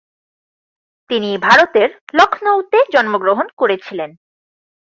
তিনি ভারতের লখনউতে জন্মগ্রহণ করেছিলেন।